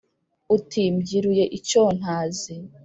Uti: mbyiruye icyontazi